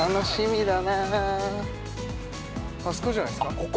◆あそこじゃないですか◆ここ？